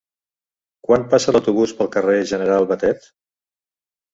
Quan passa l'autobús pel carrer General Batet?